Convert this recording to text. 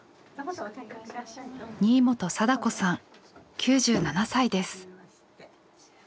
新元貞子さん９７歳です。